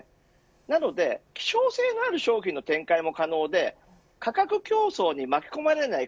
なので、希少性のある商品の展開も可能で価格競争に巻き込まれない